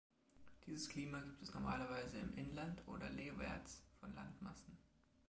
Dieses Klima gibt es normalerweise im Inland oder leewärts von Landmassen.